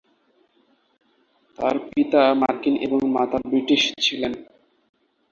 তার পিতা মার্কিন এবং মাতা ব্রিটিশ ছিলেন।